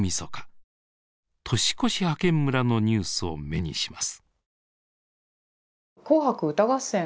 年越し派遣村のニュースを目にします。